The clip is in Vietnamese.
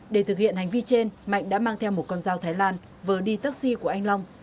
để thực hiện hành vi trên mạnh đã mang theo một con dao thái lan vừa đi taxi của anh long